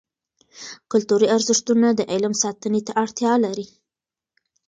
کلتوري ارزښتونه د علم ساتنې ته اړتیا لري.